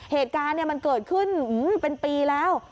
เหตุการณ์มันเกิดขึ้นเป็นปีแล้ว